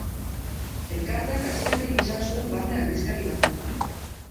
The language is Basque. Elkarteak hasieratik izan zuen barne aldizkari bat.